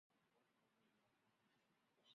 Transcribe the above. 找不到其他惹你不高兴的理由